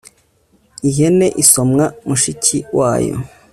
ihene isomwa mushiki wayo